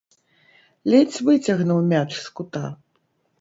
Ледзь выцягнуў мяч з кута.